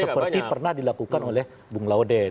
seperti pernah dilakukan oleh bung laude